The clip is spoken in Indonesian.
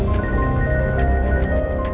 salam buat kamichi